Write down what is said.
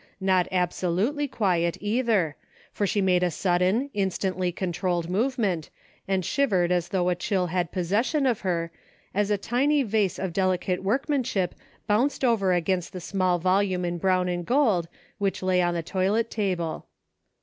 Not absolutely quiet, either, for she made a sudden, instantly controlled movement, and shivered as though a chill had possession of her, as a tiny vase A GREAT MANY "LITTLE THINGS." 28l of delicate workmanship bounced over against the smail volume in brown and gold, which lay on the toilet table.